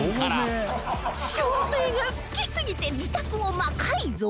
照明が好きすぎて自宅を魔改造！？